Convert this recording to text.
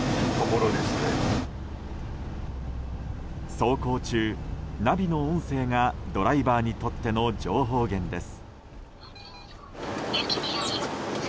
走行中、ナビの音声がドライバーにとっての情報源です。